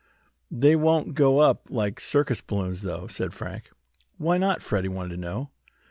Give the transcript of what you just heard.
They won't go up like circus balloons, though," Frank said. "Why not?" Freddie wanted to know.